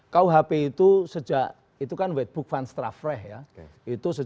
kuhp itu sejak itu kan wetbook van straffrecht ya